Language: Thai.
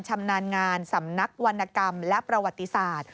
ชำนาญงานสำนักวรรณกรรมและประวัติศาสตร์